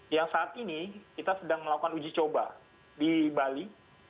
yang saat ini kita sedang melakukan uji coba di bali